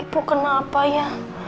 ibu kenapa ya